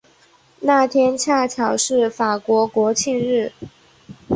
那天恰巧是法国国庆日。